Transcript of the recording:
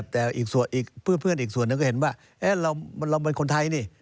แต่อีกเพื่อนอีกส่วนหนึ่งก็เห็นว่าเราเป็นคนไทยนี่